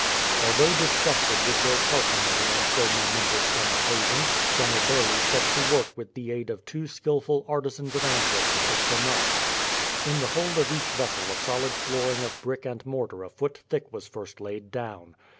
Although disgusted with their parsimony on so momentous an occasion, Gianobelli set to work with the aid of two skilful artisans of Antwerp to fit them up. In the hold of each vessel a solid flooring of brick and mortar a foot thick was first laid down.